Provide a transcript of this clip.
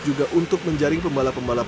juga untuk menjaring pembalap pembalap